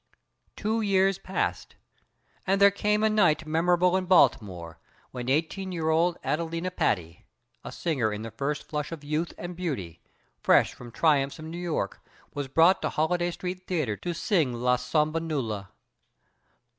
"Two years passed and there came a night memorable in Baltimore when 18 year old Adelina Patti a singer in the first flush of youth and beauty, fresh from triumphs in New York was brought to Holliday Street Theatre to sing 'La Somnambula.'